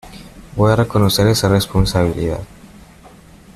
Voy a reconocer esa responsabilidad".